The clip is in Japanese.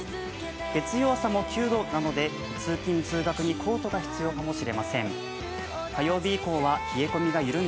月曜朝も９度なので、通勤・通学にコートが必要かもしれません。